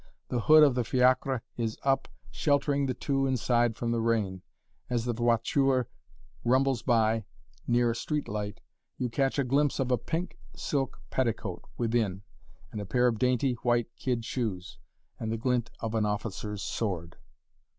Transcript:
The hood of the fiacre is up, sheltering the two inside from the rain. As the voiture rumbles by near a street light, you catch a glimpse of a pink silk petticoat within and a pair of dainty, white kid shoes and the glint of an officer's sword.